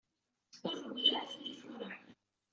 Ur rewwel ara fell-i tura.